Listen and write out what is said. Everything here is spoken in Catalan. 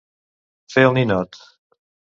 Fer el ninot.